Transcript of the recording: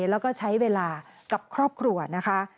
แล้วก็ใช้เวลากับครอบครัวนะคะ